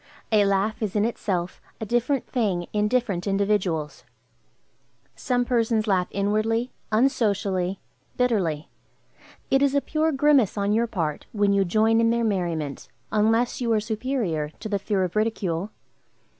A laugh is in itself a different thing in different individuals. Some persons laugh inwardly, unsocially, bitterly. It is a pure grimace on your part when you join in their merriment, unless you are superior to the fear of ridicule.